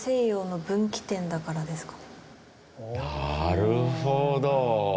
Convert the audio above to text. なるほど。